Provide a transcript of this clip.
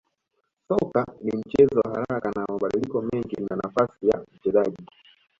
Soka ni mchezo wa haraka na wa mabadiliko mengi na nafasi ya mchezaji